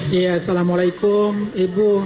iya assalamu alaikum ibu